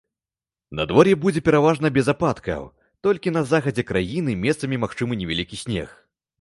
Надвор'е будзе пераважна без ападкаў, толькі на захадзе краіны месцамі магчымы невялікі снег.